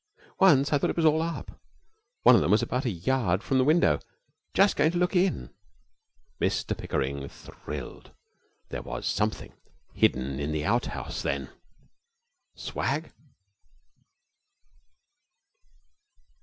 'Once I thought it was all up. One of them was about a yard from the window, just going to look in.' Mr Pickering thrilled. There was something hidden in the outhouse, then! Swag?